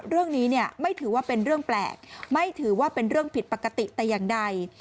เรื่องนี้เนี่ยไม่ถือว่าเป็นเรื่องแปลกไม่ถือว่าเป็นเรื่องผิดปกติแต่อย่างใด